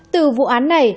từ vụ án này